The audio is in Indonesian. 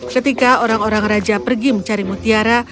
ketika orang orang raja pergi mencari mutiara